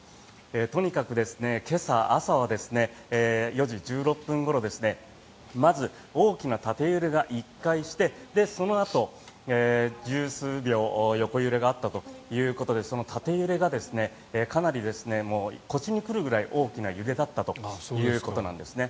とにかく今朝朝は４時１６分ごろまず大きな縦揺れが１回してそのあと１０数秒横揺れがあったということでその縦揺れがかなり腰に来るくらい大きな揺れだったということなんですね。